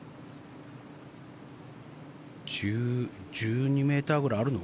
１２ｍぐらいあるの？